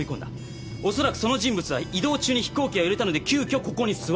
おそらくその人物は移動中に飛行機が揺れたので急遽ここに座ったんです。